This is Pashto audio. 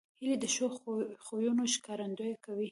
هیلۍ د ښو خویونو ښکارندویي کوي